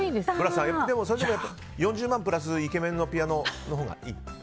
それでも４０万プラスイケメンのピアノのほうがいい？